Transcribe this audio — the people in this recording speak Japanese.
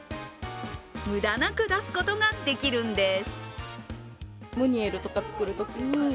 無駄なく出すことができるんです。